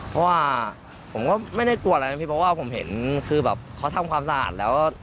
เพราะว่าผมก็ไม่ได้กลัวอะไรนะพี่เพราะว่าผมเห็นคือแบบเขาทำความสะอาดแล้ว